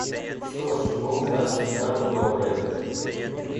Что ж, Бог даст, травы добрые.